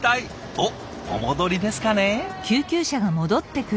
おっお戻りですかね？